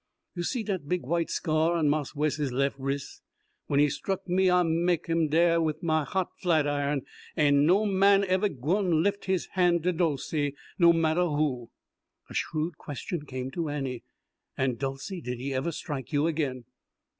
"You see dat big white scar on Marse Wes' lef' wris'? When he struck me I mahk him dere wid my hot flatiron. Am' no man eveh gwine lif' his hand to Dolcey, no matter who." A shrewd question came to Annie: "Aunt Dolcey, did he ever strike you again?"